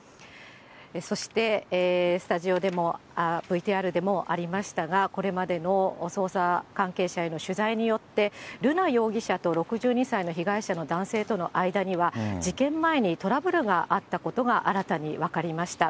そして、スタジオでも、ＶＴＲでもありましたが、これまでの捜査関係者への取材によって、瑠奈容疑者と６２歳の被害者の男性との間には、事件前にトラブルがあったことが新たに分かりました。